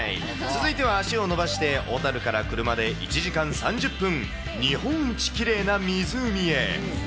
続いては足を延ばして小樽から車で１時間３０分、日本一きれいな湖へ。